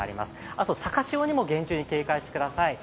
あと高潮にも厳重に警戒してください。